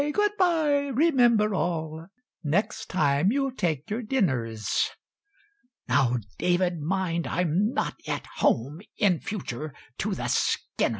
good bye! remember all, Next time you'll take your dinners! (Now, David, mind I'm not at home In future to the Skinners!")